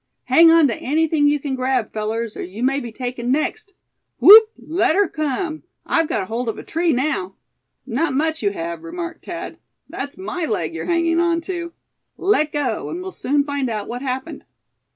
"Hang on to anything you can grab, fellers, or you may be taken next! Whoop! let her come! I've got hold of a tree now!" "Not much you have," remarked Thad, "that's my leg you're hanging on to. Let go, and we'll soon find out what happened."